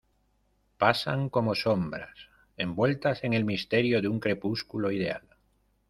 pasan como sombras, envueltas en el misterio de un crepúsculo ideal.